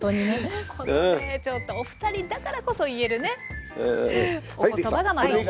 このねちょっとお二人だからこそ言えるねお言葉がまた面白い。